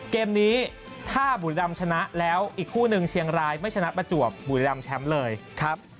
เกมนี้ถ้าบุรีรำชนะแล้วอีกคู่หนึ่งเชียงรายไม่ชนะประจวบบุรีรำแชมป์เลยครับ